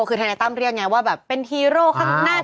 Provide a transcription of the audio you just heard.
คือธนายตั้มเรียกอย่างไรว่าแบบเป็นฮีโร่ข้างหน้าสัก